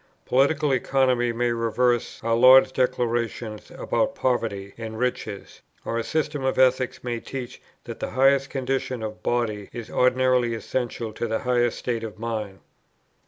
Political Economy may reverse our Lord's declarations about poverty and riches, or a system of Ethics may teach that the highest condition of body is ordinarily essential to the highest state of mind.